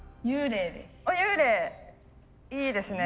幽霊いいですね。